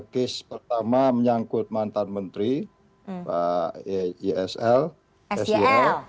kes pertama menyangkut mantan menteri ysl sel